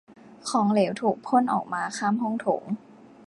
ของเหลวถูกพ่นออกมาข้ามห้องโถง